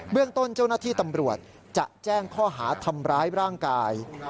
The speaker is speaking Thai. เรื่องต้นเจ้าหน้าที่ตำรวจจะแจ้งข้อหาทำร้ายร่างกาย